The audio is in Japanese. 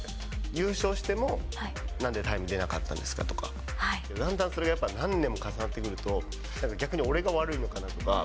優勝しても、なんでタイム出なかったんですか？とか、だんだんそれがやっぱり、何年も重なってくると、逆に、俺が悪いのかな？とか。